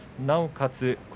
なおかつ